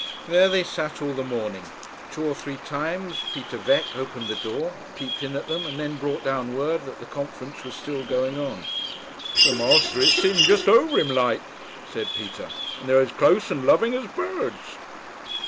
There they sat all the morning. Two or three times Peter Veque opened the door, peeped in at them, and then brought down word that the conference was still going on. 'The master is sitting just over him like,' said Peter, 'and they're as close and loving as birds.'